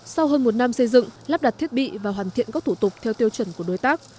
sau hơn một năm xây dựng lắp đặt thiết bị và hoàn thiện các thủ tục theo tiêu chuẩn của đối tác